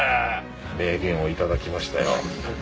名言を頂きましたよ。